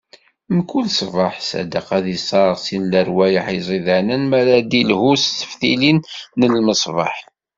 Mkul ṣṣbeḥ Sadeq ad isserɣ si lerwayeḥ iẓidanen, mi ara d-ilehhu d teftilin n lmeṣbaḥ.